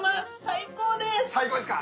最高ですか？